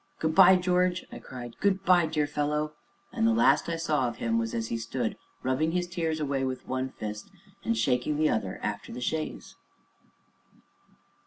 "Good by, George!" I cried, "good by, dear fellow!" and the last I saw of him was as he stood rubbing his tears away with one fist and shaking the other after the chaise.